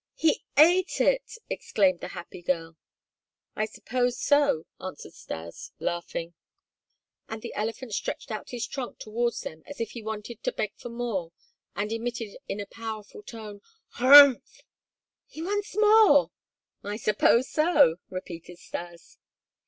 "He ate it!" exclaimed the happy girl. "I suppose so," answered Stas, laughing. And the elephant stretched out his trunk towards them as if he wanted to beg for more and emitted in a powerful tone: "Hruumf!" "He wants more!" "I suppose so!" repeated Stas.